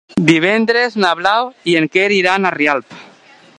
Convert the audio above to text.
Divendres na Blau i en Quer iran a Rialp.